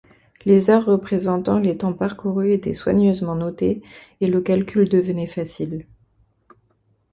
Les heures représentant les temps parcourus étaient soigneusement notées, et le calcul devenait facile.